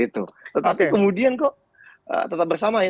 tetapi kemudian kok tetap bersama ya